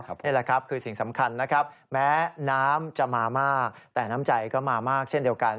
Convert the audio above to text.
นี่แหละครับคือสิ่งสำคัญนะครับแม้น้ำจะมามากแต่น้ำใจก็มามากเช่นเดียวกัน